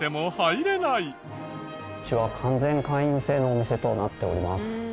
うちは完全会員制のお店となっております。